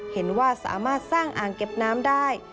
เห็นว่าสามารถสร้างอ่างเก็บน้ำได้